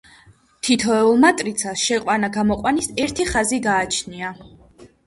თითოეულ მატრიცას შეყვანა გამოყვანის ერთი ხაზი გააჩნია.